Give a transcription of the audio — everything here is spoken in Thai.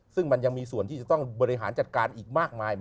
ซึ่งมันยังมีส่วนที่จะต้องบริหารจัดการอีกมากมาย